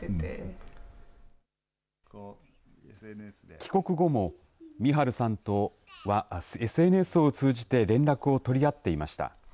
帰国後もミハルさんとはＳＮＳを通じて連絡を取り合っていました。